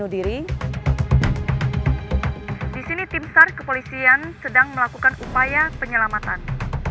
di sini tim sar kepolisian sedang melakukan upaya penyelamatan